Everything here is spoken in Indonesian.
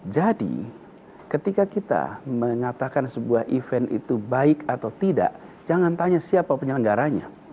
jadi ketika kita mengatakan sebuah event itu baik atau tidak jangan tanya siapa penyelenggaranya